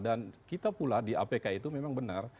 dan kita pula di apk itu memang benar